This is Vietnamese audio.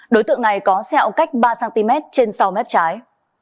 đối tượng này có xeo cách ba cm trên sau mép trái